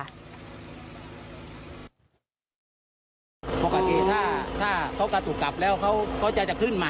ปกติถ้าเขากระตุกกลับแล้วเขาจะจะขึ้นมา